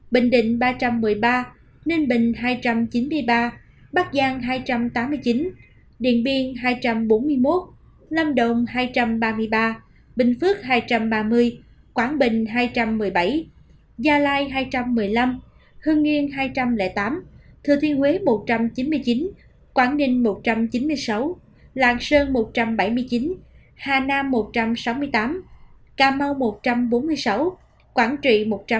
bình định ba trăm một mươi ba ninh bình hai trăm chín mươi ba bắc giang hai trăm tám mươi chín điện biên hai trăm bốn mươi một lâm động hai trăm ba mươi ba bình phước hai trăm ba mươi quảng bình hai trăm một mươi bảy gia lai hai trăm một mươi năm hương nghiên hai trăm linh tám thừa thiên huế một trăm chín mươi chín quảng ninh một trăm chín mươi sáu làng sơn một trăm bảy mươi chín hà nam một trăm sáu mươi tám cà mau một trăm bốn mươi sáu quảng trị một trăm ba mươi tám